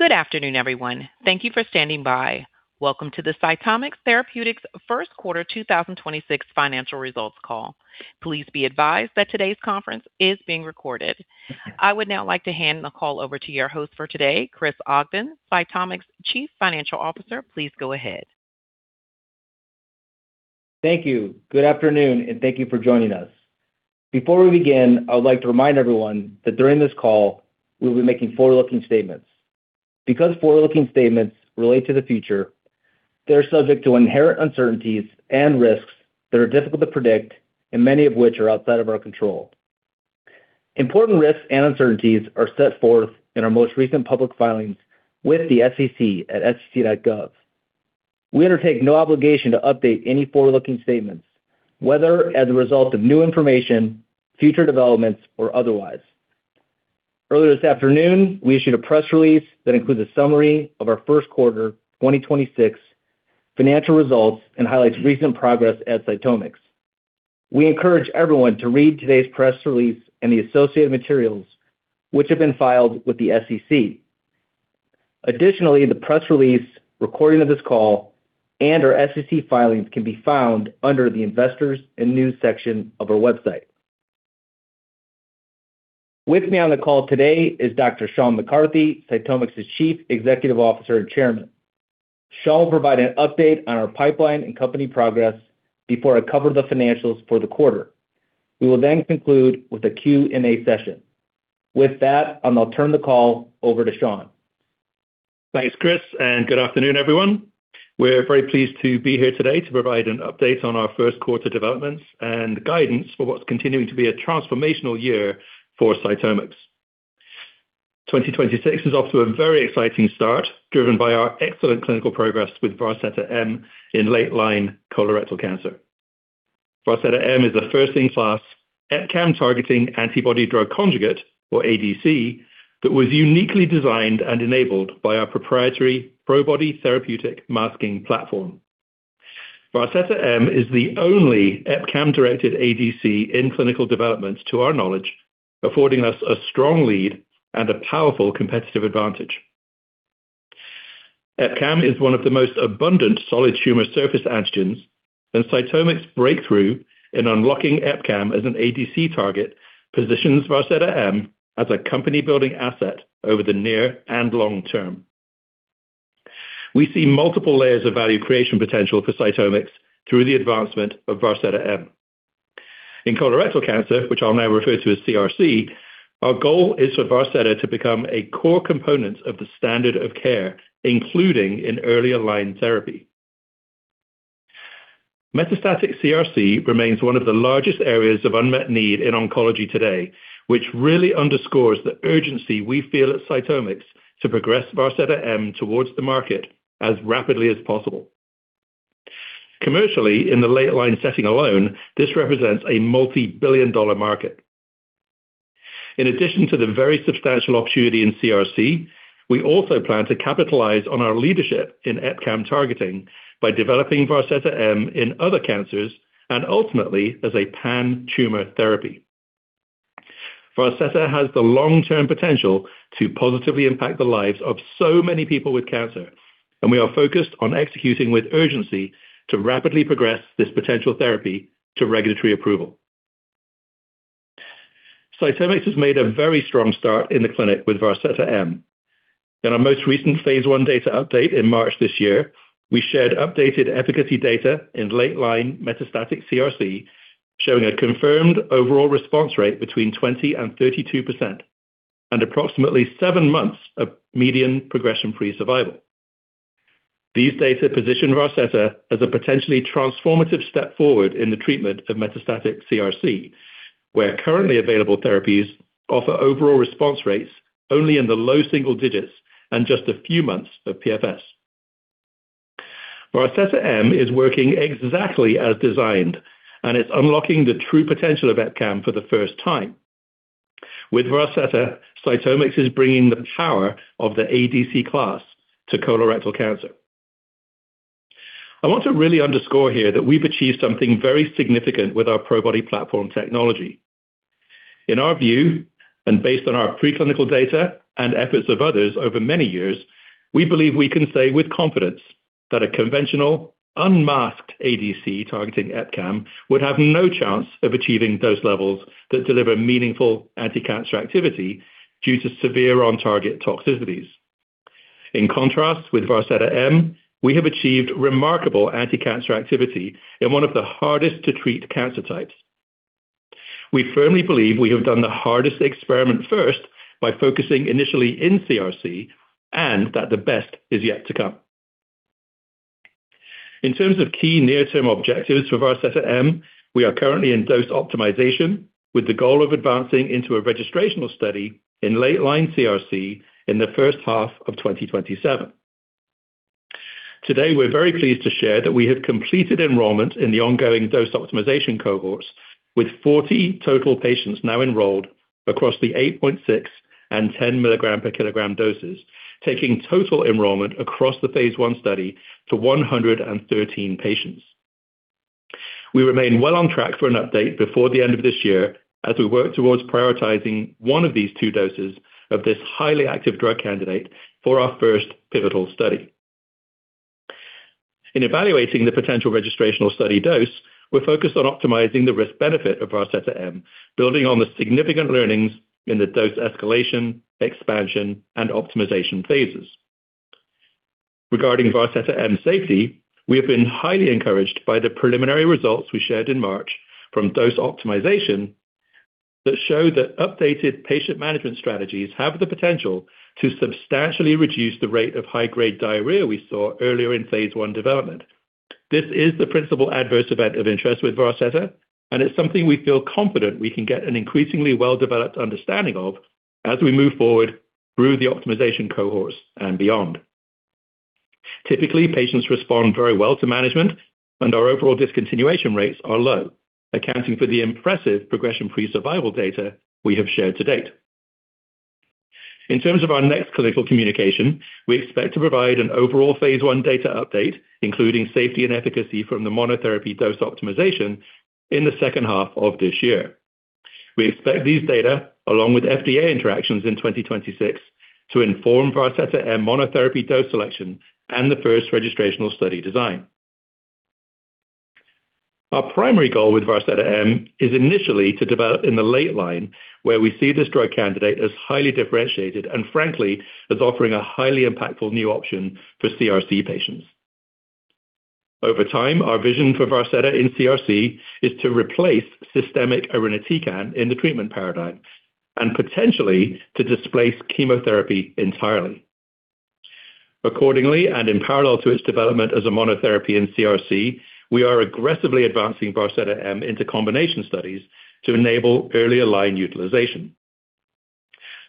Good afternoon, everyone. Thank you for standing by. Welcome to the CytomX Therapeutics' first quarter 2026 financial results call. Please be advised that today's conference is being recorded. I would now like to hand the call over to your host for today, Chris Ogden, CytomX Chief Financial Officer. Please go ahead. Thank you. Good afternoon, and thank you for joining us. Before we begin, I would like to remind everyone that during this call, we'll be making forward-looking statements. Because forward-looking statements relate to the future, they're subject to inherent uncertainties and risks that are difficult to predict and many of which are outside of our control. Important risks and uncertainties are set forth in our most recent public filings with the SEC at sec.gov. We undertake no obligation to update any forward-looking statements, whether as a result of new information, future developments, or otherwise. Earlier this afternoon, we issued a press release that includes a summary of our first quarter 2026 financial results and highlights recent progress at CytomX. We encourage everyone to read today's press release and the associated materials which have been filed with the SEC. Additionally, the press release, recording of this call, and our SEC filings can be found under the Investors and News section of our website. With me on the call today is Dr. Sean McCarthy, CytomX's Chief Executive Officer and Chairman. Sean will provide an update on our pipeline and company progress before I cover the financials for the quarter. We will then conclude with a Q&A session. With that, I'll now turn the call over to Sean. Thanks, Chris, and good afternoon, everyone. We're very pleased to be here today to provide an update on our first quarter developments and guidance for what's continuing to be a transformational year for CytomX. 2026 is off to a very exciting start, driven by our excellent clinical progress with Varseta-M in late-line colorectal cancer. Varseta-M is a first-in-class EpCAM targeting antibody drug conjugate, or ADC, that was uniquely designed and enabled by our proprietary Probody therapeutic masking platform. Varseta-M is the only EpCAM-directed ADC in clinical development to our knowledge, affording us a strong lead and a powerful competitive advantage. EpCAM is one of the most abundant solid tumor surface antigens. CytomX's breakthrough in unlocking EpCAM as an ADC target positions Varseta-M as a company-building asset over the near and long term. We see multiple layers of value creation potential for CytomX through the advancement of Varseta-M. In colorectal cancer, which I'll now refer to as CRC, our goal is for Varseta-M to become a core component of the standard of care, including in earlier line therapy. Metastatic CRC remains one of the largest areas of unmet need in oncology today, which really underscores the urgency we feel at CytomX to progress Varseta-M towards the market as rapidly as possible. Commercially, in the late line setting alone, this represents a multi-billion-dollar market. In addition to the very substantial opportunity in CRC, we also plan to capitalize on our leadership in EpCAM targeting by developing Varseta-M in other cancers and ultimately as a pan-tumor therapy. Varseta-M has the long-term potential to positively impact the lives of so many people with cancer, and we are focused on executing with urgency to rapidly progress this potential therapy to regulatory approval. CytomX has made a very strong start in the clinic with Varseta-M. In our most recent phase I data update in March this year, we shared updated efficacy data in late-line metastatic CRC, showing a confirmed overall response rate between 20% and 32% and approximately seven months of median progression-free survival. These data position Varseta-M as a potentially transformative step forward in the treatment of metastatic CRC, where currently available therapies offer overall response rates only in the low single digits and just a few months of PFS. Varseta-M is working exactly as designed, and it's unlocking the true potential of EpCAM for the first time. With Varseta-M, CytomX is bringing the power of the ADC class to colorectal cancer. I want to really underscore here that we've achieved something very significant with our Probody platform technology. In our view, and based on our preclinical data and efforts of others over many years, we believe we can say with confidence that a conventional unmasked ADC targeting EpCAM would have no chance of achieving dose levels that deliver meaningful anticancer activity due to severe on-target toxicities. In contrast, with Varseta-M, we have achieved remarkable anticancer activity in one of the hardest to treat cancer types. We firmly believe we have done the hardest experiment first by focusing initially in CRC and that the best is yet to come. In terms of key near-term objectives for Varseta-M, we are currently in dose optimization with the goal of advancing into a registrational study in late-line CRC in the first half of 2027. Today, we're very pleased to share that we have completed enrollment in the ongoing dose optimization cohorts with 40 total patients now enrolled across the 8.6 and 10 mg/kg doses, taking total enrollment across the Phase I study to 113 patients. We remain well on track for an update before the end of this year as we work towards prioritizing one of these two doses of this highly active drug candidate for our first pivotal study. In evaluating the potential registrational study dose, we're focused on optimizing the risk-benefit of Varseta-M, building on the significant learnings in the dose escalation, expansion, and optimization phases. Regarding Varseta-M safety, we have been highly encouraged by the preliminary results we shared in March from dose optimization that show that updated patient management strategies have the potential to substantially reduce the rate of high-grade diarrhea we saw earlier in phase I development. It's something we feel confident we can get an increasingly well-developed understanding of as we move forward through the optimization cohorts and beyond. Typically, patients respond very well to management. Our overall discontinuation rates are low, accounting for the impressive progression-free survival data we have shared to date. In terms of our next clinical communication, we expect to provide an overall phase I data update, including safety and efficacy from the monotherapy dose optimization in the second half of this year. We expect these data, along with FDA interactions in 2026, to inform Varseta-M monotherapy dose selection and the first registrational study design. Our primary goal with Varseta-M is initially to develop in the late line, where we see this drug candidate as highly differentiated and frankly, as offering a highly impactful new option for CRC patients. Over time, our vision for Varseta in CRC is to replace systemic irinotecan in the treatment paradigm and potentially to displace chemotherapy entirely. Accordingly, and in parallel to its development as a monotherapy in CRC, we are aggressively advancing Varseta-M into combination studies to enable earlier line utilization.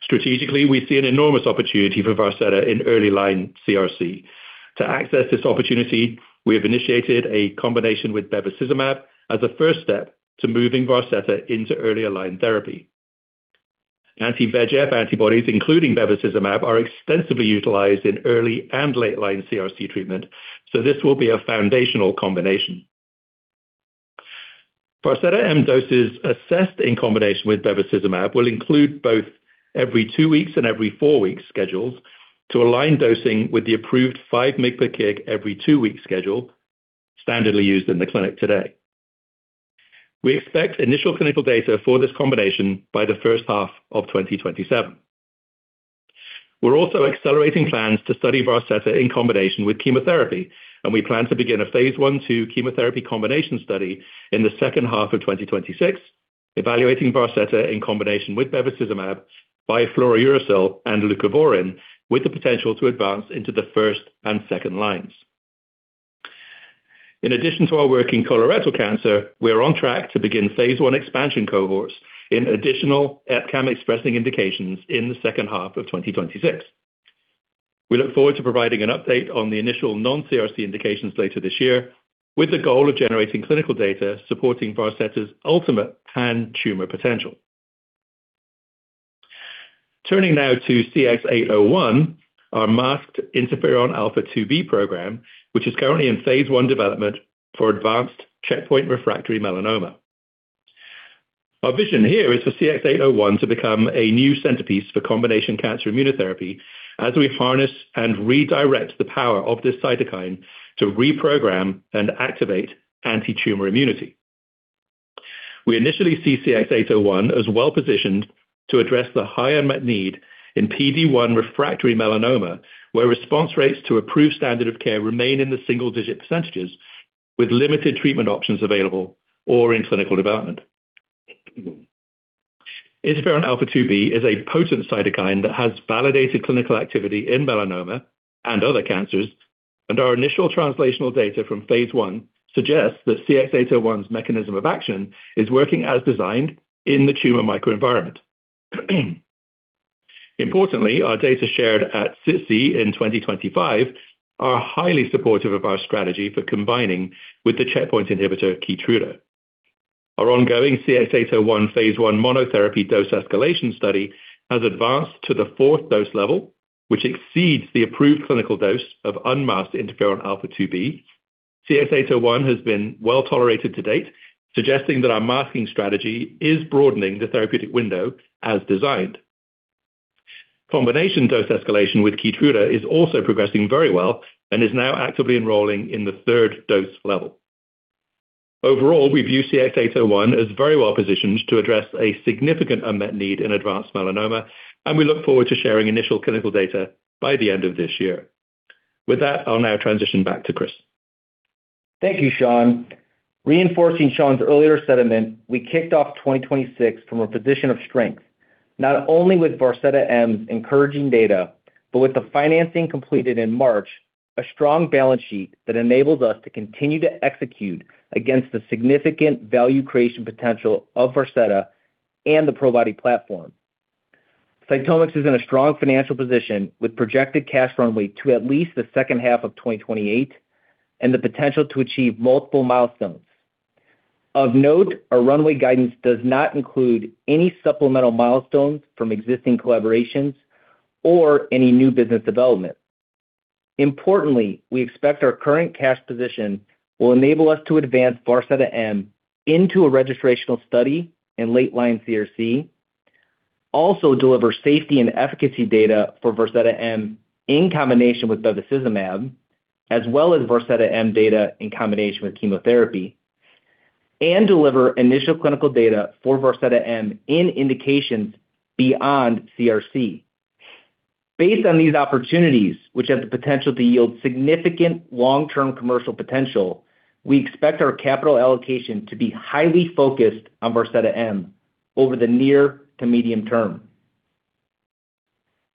Strategically, we see an enormous opportunity for Varseta in early-line CRC. To access this opportunity, we have initiated a combination with bevacizumab as a first step to moving Varseta into earlier line therapy. Anti-VEGF antibodies, including bevacizumab, are extensively utilized in early and late-line CRC treatment, so this will be a foundational combination. Varseta-M doses assessed in combination with bevacizumab will include both every two weeks and every four weeks schedules to align dosing with the approved 5 mg/kg every two-week schedule standardly used in the clinic today. We expect initial clinical data for this combination by the first half of 2027. We're also accelerating plans to study Varseta in combination with chemotherapy, and we plan to begin a phase I/II chemotherapy combination study in the second half of 2026, evaluating Varseta in combination with bevacizumab, 5-fluorouracil, and leucovorin, with the potential to advance into the first and second lines. In addition to our work in colorectal cancer, we are on track to begin phase I expansion cohorts in additional EpCAM expressing indications in the second half of 2026. We look forward to providing an update on the initial non-CRC indications later this year, with the goal of generating clinical data supporting Varseta-M's ultimate pan-tumor potential. Turning now to CX-801, our masked interferon alpha-2b program, which is currently in phase I development for advanced checkpoint refractory melanoma. Our vision here is for CX-801 to become a new centerpiece for combination cancer immunotherapy as we harness and redirect the power of this cytokine to reprogram and activate antitumor immunity. We initially see CX-801 as well-positioned to address the high unmet need in PD-1 refractory melanoma, where response rates to approved standard of care remain in the single-digit % with limited treatment options available or in clinical development. Interferon alpha-2b is a potent cytokine that has validated clinical activity in melanoma and other cancers, and our initial translational data from Phase I suggests that CX-801's mechanism of action is working as designed in the tumor microenvironment. Importantly, our data shared at SITC in 2025 are highly supportive of our strategy for combining with the checkpoint inhibitor KEYTRUDA. Our ongoing CX-801 phase I monotherapy dose escalation study has advanced to the forth dose level, which exceeds the approved clinical dose of unmasked Interferon alpha-2b. CX-801 has been well-tolerated to date, suggesting that our masking strategy is broadening the therapeutic window as designed. Combination dose escalation with KEYTRUDA is also progressing very well and is now actively enrolling in the third dose level. Overall, we view CX-801 as very well-positioned to address a significant unmet need in advanced melanoma, and we look forward to sharing initial clinical data by the end of this year. With that, I will now transition back to Chris. Thank you, Sean. Reinforcing Sean's earlier sentiment, we kicked off 2026 from a position of strength, not only with Varseta-M's encouraging data, but with the financing completed in March, a strong balance sheet that enables us to continue to execute against the significant value creation potential of Varseta and the Probody platform. CytomX is in a strong financial position with projected cash runway to at least the second half of 2028 and the potential to achieve multiple milestones. Of note, our runway guidance does not include any supplemental milestones from existing collaborations or any new business development. Importantly, we expect our current cash position will enable us to advance Varseta-M into a registrational study in late line CRC. Also deliver safety and efficacy data for Varseta-M in combination with bevacizumab, as well as Varseta-M data in combination with chemotherapy. Deliver initial clinical data for Varseta-M in indications beyond CRC. Based on these opportunities, which have the potential to yield significant long-term commercial potential, we expect our capital allocation to be highly focused on Varseta-M over the near to medium term.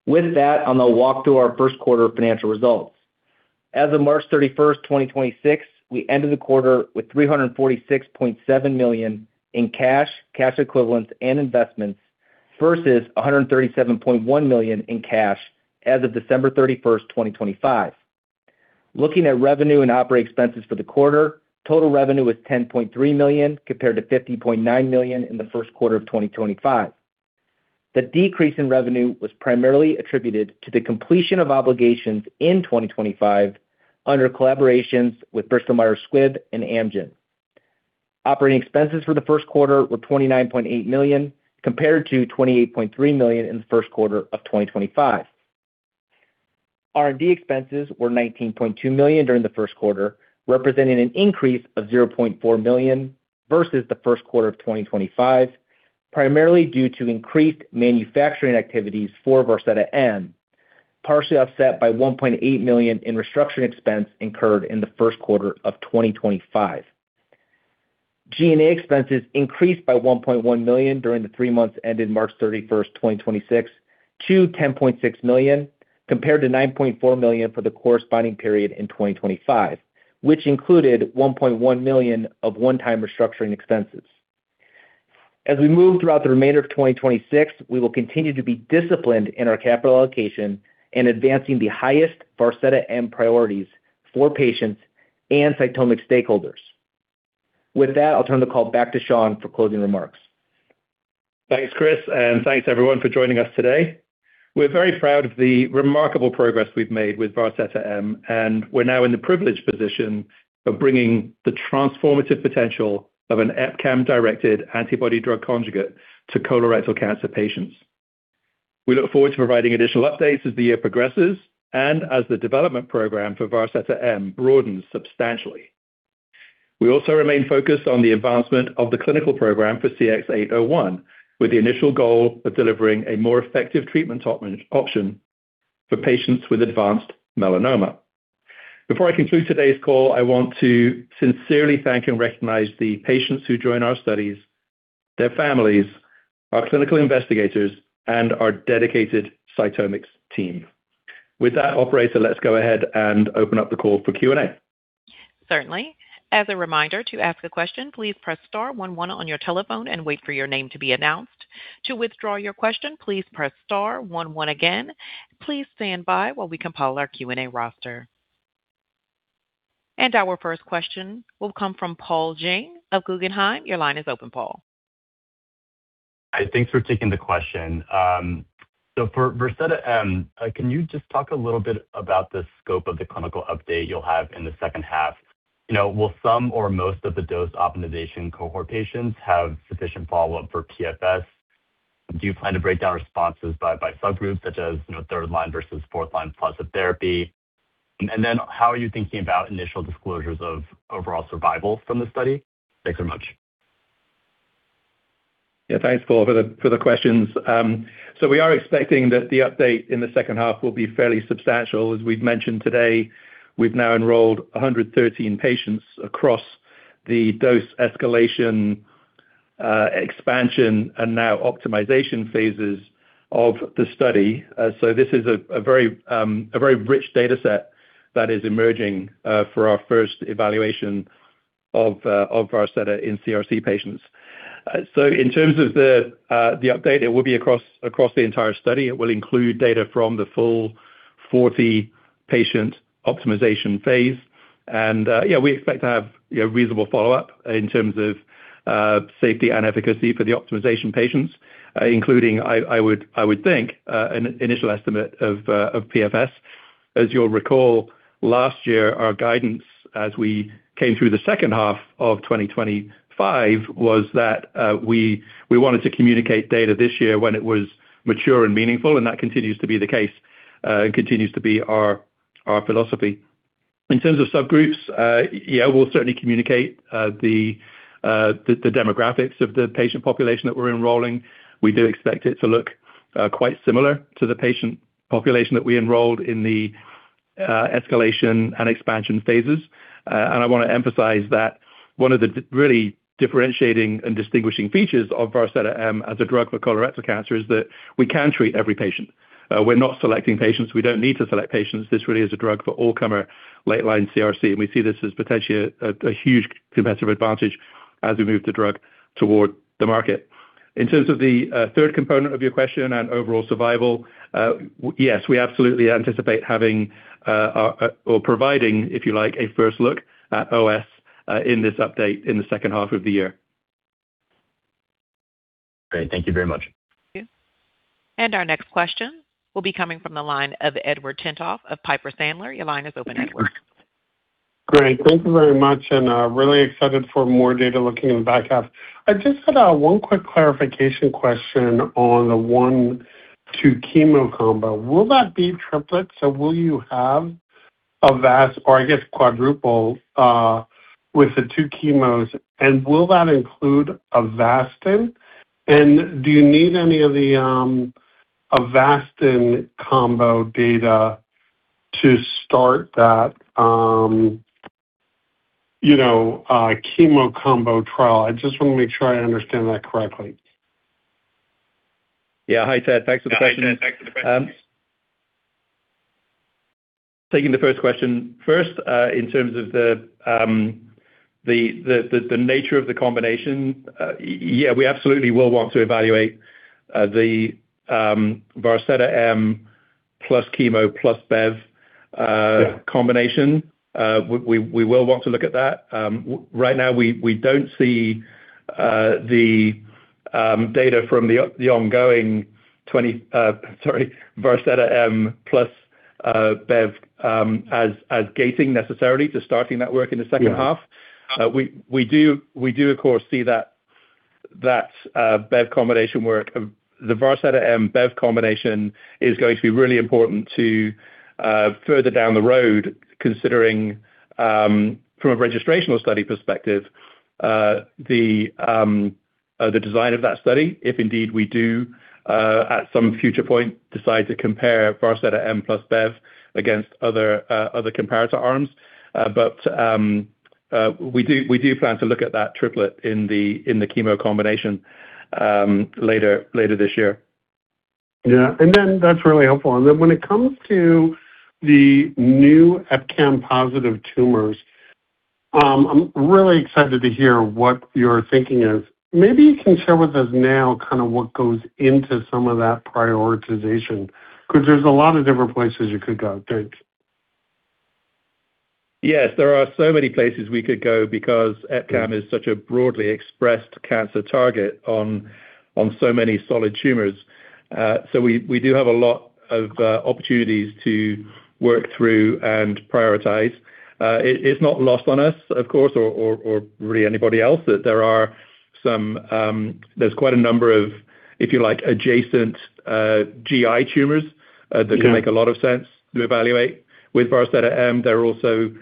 With that, on the walk through our first quarter financial results. As of March 31, 2026, we ended the quarter with $346.7 million in cash equivalents and investments, versus $137.1 million in cash as of December 31, 2025. Looking at revenue and operating expenses for the quarter, total revenue was $10.3 million, compared to $50.9 million in the first quarter of 2025. The decrease in revenue was primarily attributed to the completion of obligations in 2025 under collaborations with Bristol Myers Squibb and Amgen. Operating expenses for the first quarter were $29.8 million, compared to $28.3 million in the first quarter of 2025. R&D expenses were $19.2 million during the first quarter, representing an increase of $0.4 million versus the first quarter of 2025, primarily due to increased manufacturing activities for Varseta-M, partially offset by $1.8 million in restructuring expense incurred in the first quarter of 2025. G&A expenses increased by $1.1 million during the three months ended March 31st, 2026 to $10.6 million, compared to $9.4 million for the corresponding period in 2025, which included $1.1 million of one-time restructuring expenses. As we move throughout the remainder of 2026, we will continue to be disciplined in our capital allocation and advancing the highest Varseta-M priorities for patients and CytomX stakeholders. With that, I'll turn the call back to Sean for closing remarks. Thanks, Chris, and thanks, everyone, for joining us today. We're very proud of the remarkable progress we've made with Varseta-M, and we're now in the privileged position of bringing the transformative potential of an EpCAM-directed antibody drug conjugate to colorectal cancer patients. We look forward to providing additional updates as the year progresses and as the development program for Varseta-M broadens substantially. We also remain focused on the advancement of the clinical program for CX-801, with the initial goal of delivering a more effective treatment option for patients with advanced melanoma. Before I conclude today's call, I want to sincerely thank and recognize the patients who join our studies, their families, our clinical investigators, and our dedicated CytomX team. With that, operator, let's go ahead and open up the call for Q&A. Certainly. As a reminder, to ask a question, please press star one one on your telephone and wait for your name to be announced. To withdraw your question, please press star one one again. Please stand by while we compile our Q&A roster. Our first question will come from Paul Jeng of Guggenheim. Your line is open, Paul. Thanks for taking the question. For Varseta-M, can you just talk a little bit about the scope of the clinical update you'll have in the second half? You know, will some or most of the dose optimization cohort patients have sufficient follow-up for PFS? Do you plan to break down responses by subgroup, such as, you know, third line versus forth line plus therapy? How are you thinking about initial disclosures of overall survival from the study? Thanks very much. Yeah. Thanks, Paul, for the questions. We are expecting that the update in the second half will be fairly substantial. As we've mentioned today, we've now enrolled 113 patients across the dose escalation, expansion and now optimization phases of the study. This is a very rich data set that is emerging for our first evaluation of Varseta-M in CRC patients. In terms of the update, it will be across the entire study. It will include data from the full 40-patient optimization phase. Yeah, we expect to have, you know, reasonable follow-up in terms of safety and efficacy for the optimization patients, including I would think an initial estimate of PFS. As you'll recall, last year, our guidance as we came through the second half of 2025 was that we wanted to communicate data this year when it was mature and meaningful, and that continues to be the case and continues to be our philosophy. In terms of subgroups, yeah, we'll certainly communicate the demographics of the patient population that we're enrolling. We do expect it to look quite similar to the patient population that we enrolled in the escalation and expansion phases. And I wanna emphasize that one of the really differentiating and distinguishing features of Varseta-M as a drug for colorectal cancer is that we can treat every patient. We're not selecting patients. We don't need to select patients. This really is a drug for all comer late-line CRC, and we see this as potentially a huge competitive advantage as we move the drug toward the market. In terms of the third component of your question on overall survival, yes, we absolutely anticipate having or providing, if you like, a first look at OS in this update in the second half of the year. Great. Thank you very much. Our next question will be coming from the line of Edward Tenthoff of Piper Sandler. Your line is open, Edward. Great. Thank you very much, really excited for more data looking in the back half. I just had 1 quick clarification question on the 1-2 chemo combo. Will that be triplet? Will you have Avastin or I guess quadruple with the 2 chemos, and will that include AVASTIN? Do you need any of the Avastin combo data to start that, you know, chemo combo trial? I just want to make sure I understand that correctly. Yeah. Hi, Ted. Thanks for the question. Taking the first question first, in terms of the nature of the combination, yeah, we absolutely will want to evaluate the Varseta-M plus chemo plus Bev combination. We will want to look at that. Right now, we don't see the data from the ongoing 20, sorry, Varseta-M plus Bev, as gating necessarily to starting that work in the second half. Yeah. We do of course see that Bev combination work. The Varseta-M Bev combination is going to be really important to further down the road, considering from a registrational study perspective, the design of that study, if indeed we do at some future point, decide to compare Varseta-M plus Bev against other comparator arms. We do plan to look at that triplet in the chemo combination later this year. Yeah. Then that's really helpful. Then when it comes to the new EpCAM-positive tumors, I'm really excited to hear what your thinking is. Maybe you can share with us now kind of what goes into some of that prioritization, 'cause there's a lot of different places you could go. Thanks. Yes, there are so many places we could go because EpCAM is such a broadly expressed cancer target on so many solid tumors. We do have a lot of opportunities to work through and prioritize. It's not lost on us, of course, or really anybody else that there are some, there's quite a number of, if you like, adjacent GI tumors. Yeah that can make a lot of sense to evaluate with Varseta-M. There are also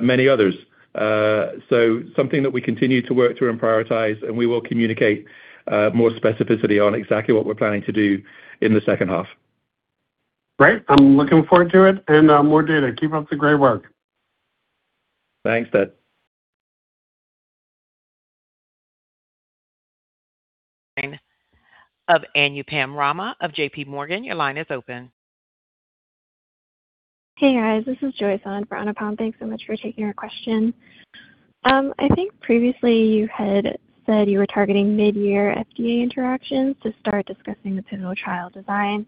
many others. Something that we continue to work through and prioritize, and we will communicate more specificity on exactly what we're planning to do in the second half. Great. I'm looking forward to it and, more data. Keep up the great work. Thanks, Ted. Of Anupam Rama of JPMorgan. Your line is open. Hey, guys. This is Joy on for Anupam. Thanks so much for taking our question. I think previously you had said you were targeting mid-year FDA interactions to start discussing the pivotal trial design.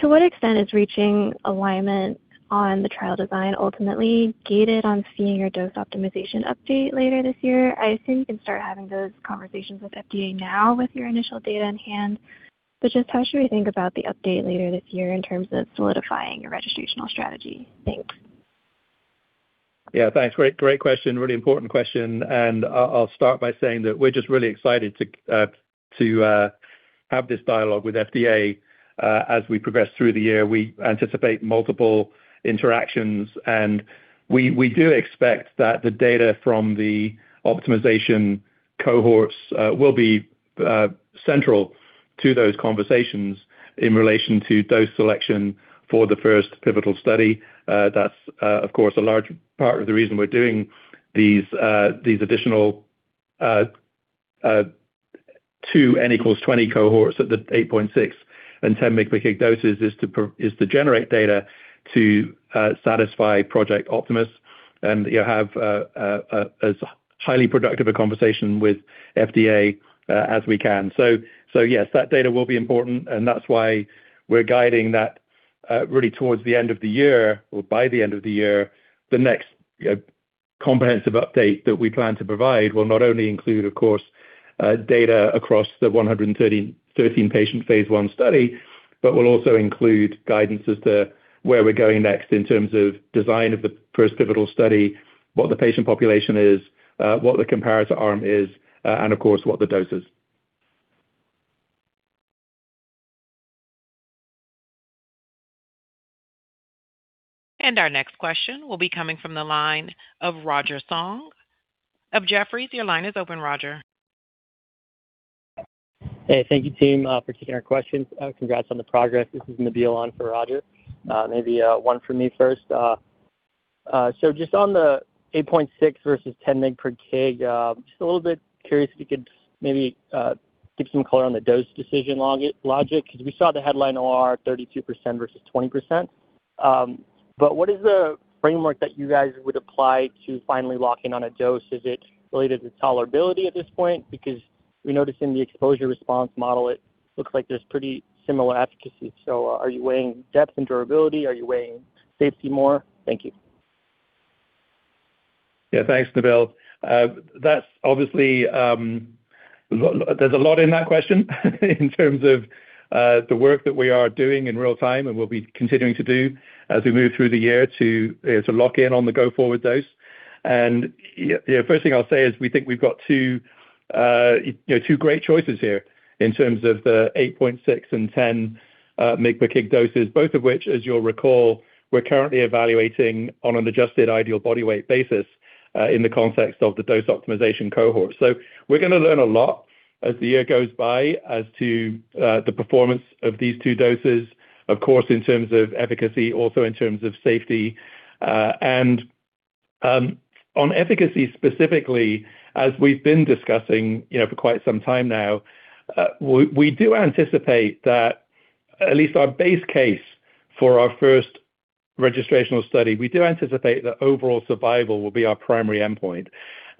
To what extent is reaching alignment on the trial design ultimately gated on seeing your dose optimization update later this year? I assume you can start having those conversations with FDA now with your initial data on hand. Just how should we think about the update later this year in terms of solidifying your registrational strategy? Thanks. Yeah, thanks. Great, great question. Really important question. I'll start by saying that we're just really excited to have this dialogue with FDA as we progress through the year. We anticipate multiple interactions, we do expect that the data from the optimization cohorts will be central to those conversations in relation to dose selection for the first pivotal study. That's, of course, a large part of the reason we're doing these additional 2 N equals 20 cohorts at the 8.6 and 10 mg/kg doses is to generate data to satisfy Project Optimus and you have as highly productive a conversation with FDA as we can. Yes, that data will be important, and that's why we're guiding that really towards the end of the year or by the end of the year. The next comprehensive update that we plan to provide will not only include, of course, data across the 130-13 patient Phase I study, but will also include guidance as to where we're going next in terms of design of the first pivotal study, what the patient population is, what the comparator arm is, and of course, what the dose is. Our next question will be coming from the line of Roger Song of Jefferies. Your line is open, Roger. Hey, thank you, team, for taking our questions. Congrats on the progress. This is Nabil on for Roger. Maybe, one for me first. Just on the 8.6 versus 10 mg/kg, just a little bit curious if you could maybe give some color on the dose decision log-logic, because we saw the headline OR 32% versus 20%. What is the framework that you guys would apply to finally lock in on a dose? Is it related to tolerability at this point? We noticed in the exposure response model, it looks like there's pretty similar efficacy. Are you weighing depth and durability? Are you weighing safety more? Thank you. Yeah. Thanks, Nabil. That's obviously, there's a lot in that question in terms of the work that we are doing in real time and will be continuing to do as we move through the year to lock in on the go-forward dose. You know, first thing I'll say is we think we've got two, you know, two great choices here in terms of the 8.6 and 10 mg/kg doses, both of which, as you'll recall, we're currently evaluating on an adjusted ideal body weight basis in the context of the dose optimization cohort. We're gonna learn a lot as the year goes by as to the performance of these two doses, of course, in terms of efficacy, also in terms of safety. On efficacy specifically, as we've been discussing, you know, for quite some time now, we do anticipate that at least our base case for our first registrational study, we do anticipate that OS will be our primary endpoint.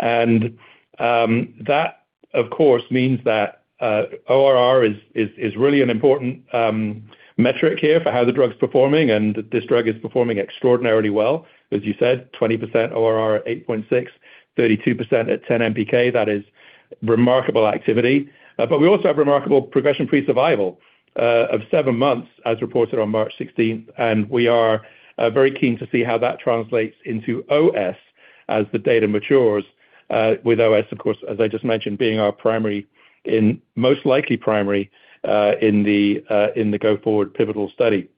That of course means that ORR is really an important metric here for how the drug's performing, and this drug is performing extraordinarily well. As you said, 20% ORR at 8.6, 32% at 10 mpk. That is remarkable activity. But we also have remarkable PFS of seven months as reported on March 16th. We are very keen to see how that translates into OS as the data matures, with OS of course, as I just mentioned, being our primary most likely primary in the go-forward pivotal study.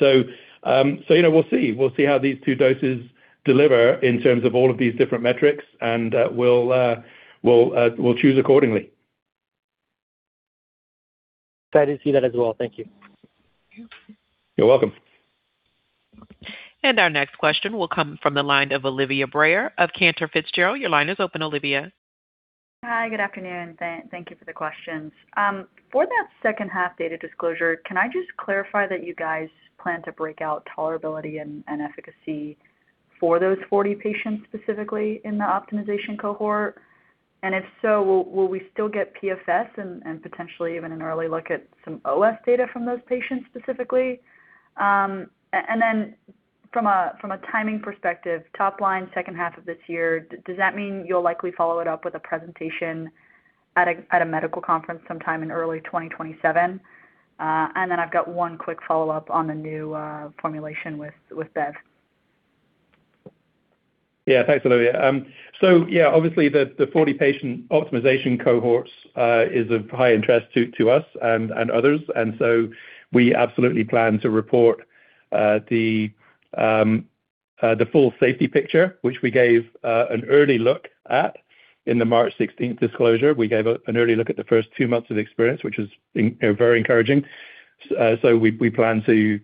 You know, we'll see. We'll see how these two doses deliver in terms of all of these different metrics, and we'll choose accordingly. Excited to see that as well. Thank you. You're welcome. Our next question will come from the line of Olivia Brayer of Cantor Fitzgerald. Your line is open, Olivia. Hi. Good afternoon. Thank you for the questions. For that second half data disclosure, can I just clarify that you guys plan to break out tolerability and efficacy for those 40 patients specifically in the optimization cohort? If so, will we still get PFS and potentially even an early look at some OS data from those patients specifically? From a timing perspective, top line second half of this year, does that mean you'll likely follow it up with a presentation at a medical conference sometime in early 2027? I've got one quick follow-up on the new formulation with Bev. Yeah. Thanks, Olivia. Yeah, obviously the 40-patient optimization cohort is of high interest to us and others. We absolutely plan to report the full safety picture, which we gave an early look at in the March 16th disclosure. We gave an early look at the first two months of the experience, which was being, you know, very encouraging. We plan to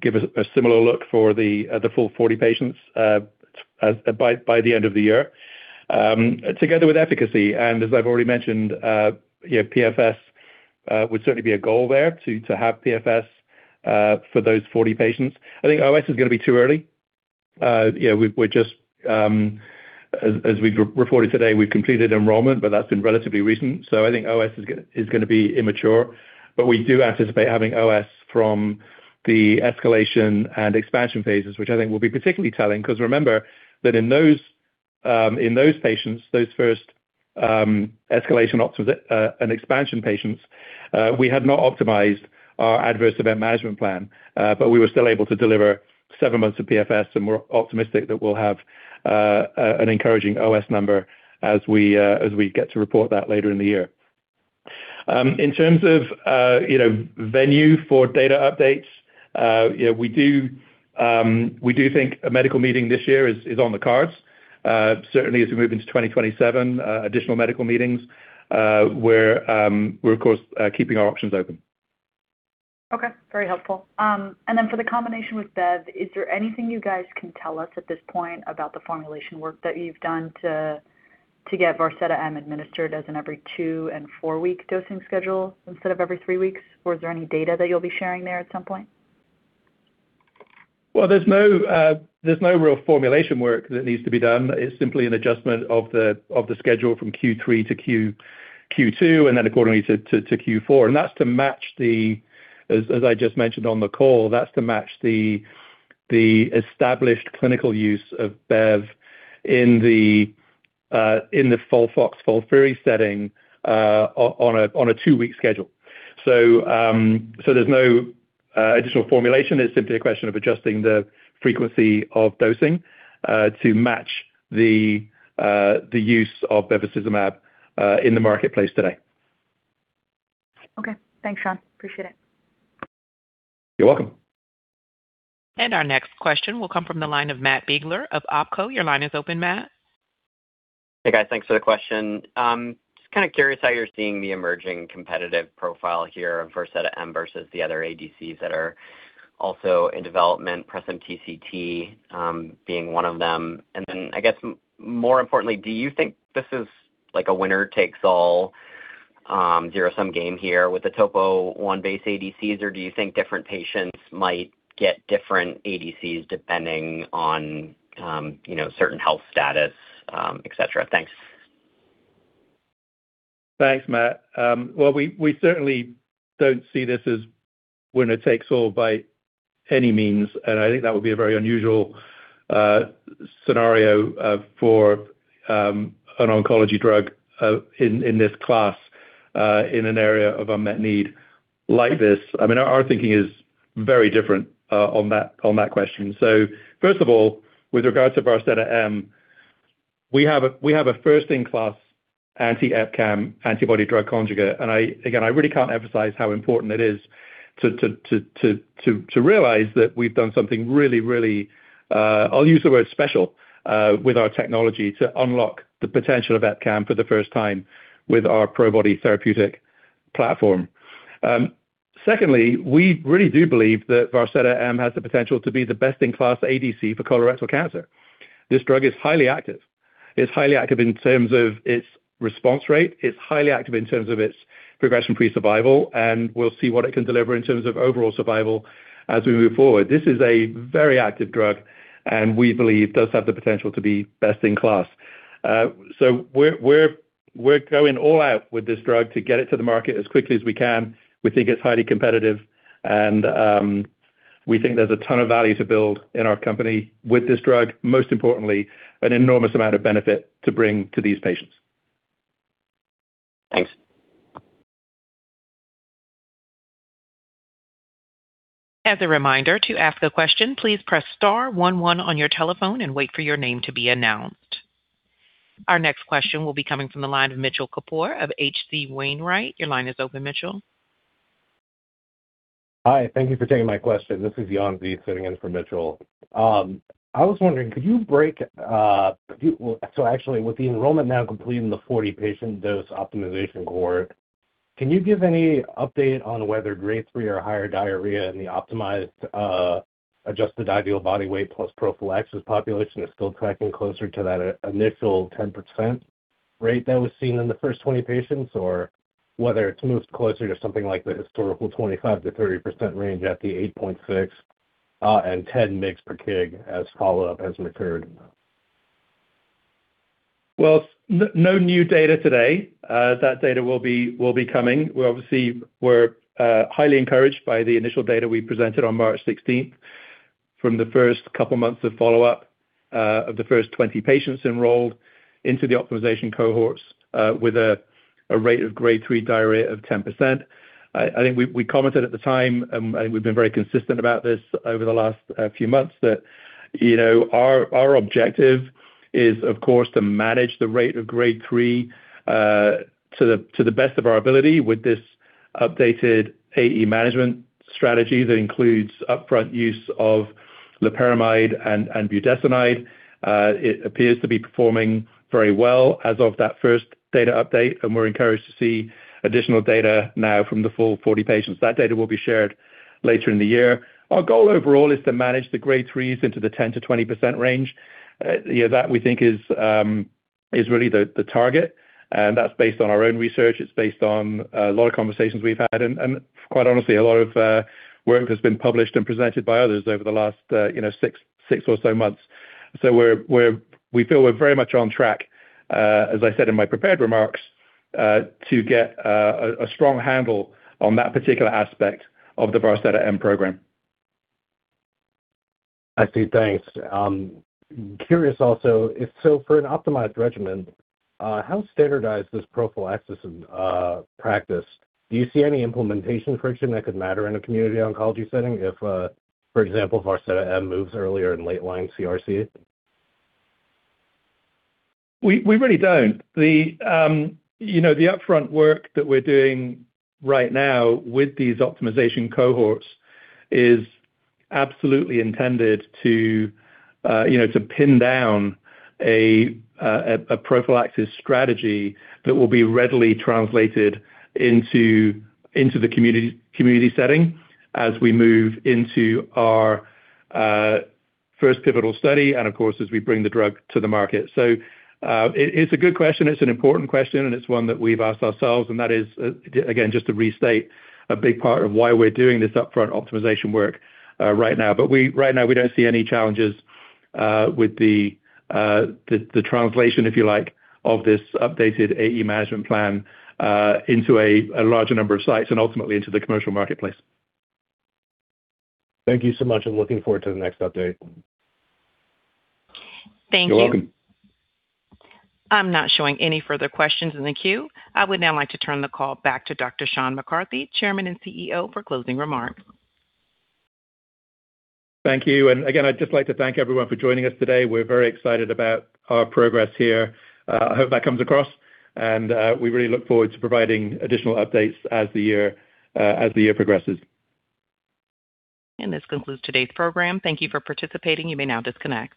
give a similar look for the full 40 patients by the end of the year together with efficacy. As I've already mentioned, you know, PFS would certainly be a goal there to have PFS for those 40 patients. I think OS is going to be too early. You know, we're just, as we reported today, we've completed enrollment, that's been relatively recent, so I think OS is gonna be immature. We do anticipate having OS from the escalation and expansion phases, which I think will be particularly telling, because remember that in those, in those patients, those first escalation and expansion patients, we had not optimized our adverse event management plan, but we were still able to deliver seven months of PFS, and we're optimistic that we'll have an encouraging OS number as we get to report that later in the year. In terms of, you know, venue for data updates, you know, we do think a medical meeting this year is on the cards. Certainly as we move into 2027, additional medical meetings, we're of course, keeping our options open. Okay. Very helpful. Then for the combination with Bev, is there anything you guys can tell us at this point about the formulation work that you've done to get Varseta-M administered as an every two and four week dosing schedule instead of every three weeks? Is there any data that you'll be sharing there at some point? There's no real formulation work that needs to be done. It's simply an adjustment of the schedule from Q3 to Q2 and then accordingly to Q4. That's to match the, as I just mentioned on the call, that's to match the established clinical use of Bev in the FOLFOX, FOLFIRI setting on a two-week schedule. There's no additional formulation. It's simply a question of adjusting the frequency of dosing to match the use of bevacizumab in the marketplace today. Okay. Thanks, Sean. Appreciate it. You're welcome. Our next question will come from the line of Matt Biegler of Oppenheimer. Your line is open, Matt. Hey, guys. Thanks for the question. Just kinda curious how you're seeing the emerging competitive profile here of Varseta-M versus the other ADCs that are also in development, PresymTCT, being 1 of them. I guess more importantly, do you think this is like a winner takes all, zero-sum game here with the topo 1 base ADCs? Do you think different patients might get different ADCs depending on, you know, certain health status, et cetera? Thanks. Thanks, Matt. Well, we certainly don't see this as winner takes all by any means, and I think that would be a very unusual scenario for an oncology drug in this class in an area of unmet need like this. I mean, our thinking is very different on that, on that question. First of all, with regards to Varseta-M, we have a, we have a first-in-class anti-EpCAM antibody drug conjugate. I, again, I really can't emphasize how important it is to realize that we've done something really, really, I'll use the word special with our technology to unlock the potential of EpCAM for the first time with our Probody therapeutic platform. Secondly, we really do believe that Varseta-M has the potential to be the best-in-class ADC for colorectal cancer. This drug is highly active. It's highly active in terms of its response rate. It's highly active in terms of its progression-free survival, and we'll see what it can deliver in terms of overall survival as we move forward. This is a very active drug, and we believe does have the potential to be best in class. We're going all out with this drug to get it to the market as quickly as we can. We think it's highly competitive, and we think there's a ton of value to build in our company with this drug. Most importantly, an enormous amount of benefit to bring to these patients. Thanks. As a reminder, to ask a question, please press star 11 on your telephone and wait for your name to be announced. Our next question will be coming from the line of Mitchell Kapoor of H.C. Wainwright. Your line is open, Mitchell. Hi. Thank you for taking my question. This is Yuan Zhi sitting in for Mitchell. With the enrollment now complete in the 40-patient dose optimization cohort, can you give any update on whether grade 3 or higher diarrhea in the optimized, adjusted ideal body weight plus prophylaxis population is still tracking closer to that initial 10% rate that was seen in the first 20 patients? Or whether it's moved closer to something like the historical 25%-30% range at the 8.6 and 10 mg/kg as follow-up has occurred? Well, no new data today. That data will be coming. We obviously were highly encouraged by the initial data we presented on March sixteenth from the first couple months of follow-up of the first 20 patients enrolled into the optimization cohorts with a rate of grade 3 diarrhea of 10%. I think we commented at the time, and we've been very consistent about this over the last few months, that, you know, our objective is, of course, to manage the rate of grade 3 to the best of our ability with this updated AE management strategy that includes upfront use of loperamide and budesonide. It appears to be performing very well as of that first data update, and we're encouraged to see additional data now from the full 40 patients. That data will be shared later in the year. Our goal overall is to manage the grade 3s into the 10%-20% range. You know, that we think is really the target. That's based on our own research. It's based on a lot of conversations we've had. Quite honestly, a lot of work has been published and presented by others over the last, you know, six or so months. We feel we're very much on track, as I said in my prepared remarks, to get a strong handle on that particular aspect of the Varseta-M program. I see. Thanks. Curious also if for an optimized regimen, how standardized is prophylaxis in practice? Do you see any implementation friction that could matter in a community oncology setting if, for example, Varseta-M moves earlier in late-line CRC? We really don't. You know, the upfront work that we're doing right now with these optimization cohorts is absolutely intended to, you know, to pin down a prophylaxis strategy that will be readily translated into the community setting as we move into our first pivotal study and, of course, as we bring the drug to the market. It's a good question. It's an important question, and it's one that we've asked ourselves, and that is again, just to restate a big part of why we're doing this upfront optimization work right now. Right now, we don't see any challenges with the translation, if you like, of this updated AE management plan into a larger number of sites and ultimately into the commercial marketplace. Thank you so much. I'm looking forward to the next update. Thank you. You're welcome. I'm not showing any further questions in the queue. I would now like to turn the call back to Dr. Sean McCarthy, Chairman and CEO, for closing remarks. Thank you. Again, I'd just like to thank everyone for joining us today. We're very excited about our progress here. I hope that comes across. We really look forward to providing additional updates as the year progresses. And this concludes today's program. Thank you for participating. You may now disconnect.